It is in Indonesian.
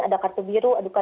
ada kartu biru